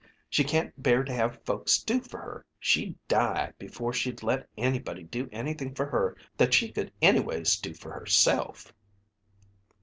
She can't bear to have folks do for her. She'd die before she'd let anybody do anything for her that she could anyways do for herself!"